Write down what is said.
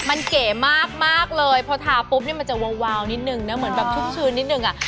มันเก๋มากเลยพอทาปุ๊บเนี่ยมันจะวาวนิดนึงนะเหมือนแบบชุ่มชื้นนิดนึงอ่ะ